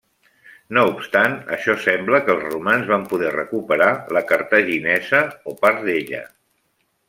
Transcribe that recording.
No obstant això sembla que els romans van poder recuperar la Cartaginesa o part d'ella.